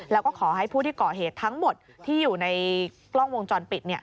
แล้วก็ขอให้ผู้ที่ก่อเหตุทั้งหมดที่อยู่ในกล้องวงจรปิด